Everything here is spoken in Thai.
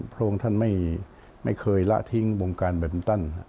พระองค์ท่านไม่เคยละทิ้งวงการแบมินตัน